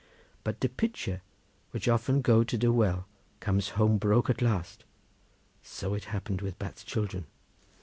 But as de pitcher which goes often to de well comes home broke at last, so it happened with Bat's children.